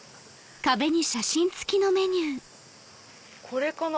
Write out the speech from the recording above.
これかな？